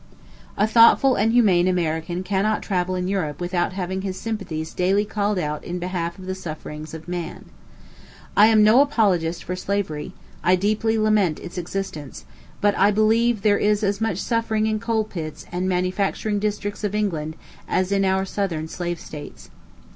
A thoughtful and humane American cannot travel in Europe without having his sympathies daily called out in behalf of the sufferings of man. I am no apologist for slavery; I deeply lament its existence; but I believe that there is as much suffering in coal pits and manufacturing districts of England as in our southern slave states.